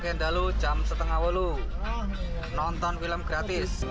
pemutaran film layar tancap berkeliling desa sebanju mas raya